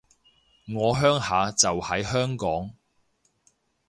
我鄉下就喺香港